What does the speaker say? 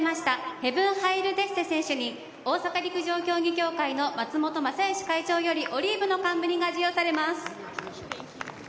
ヘヴン・ハイル・デッセ選手に大阪陸上競技協会の松本正義会長よりオリーブの冠が授与されます。